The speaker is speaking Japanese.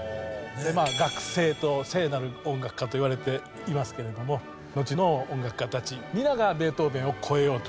楽聖と聖なる音楽家といわれていますけれどものちの音楽家たち皆がベートーヴェンを超えようとした。